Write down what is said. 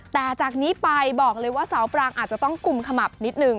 แต่จากนี้ไปบอกเลยว่าสาวปรางอาจจะต้องกุมขมับนิดนึง